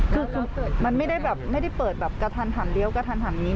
คือมันไม่ได้แบบไม่ได้เปิดแบบกระทันหันเลี้ยวกระทันหันนี้